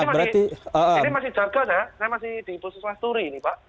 ini masih jaga ya saya masih di pusat lasturi ini pak